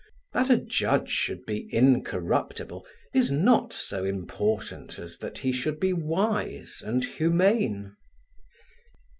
That a judge should be incorruptible is not so important as that he should be wise and humane.